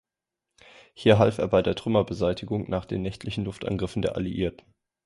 Hier half er bei der Trümmerbeseitigung nach den nächtlichen Luftangriffen der Alliierten.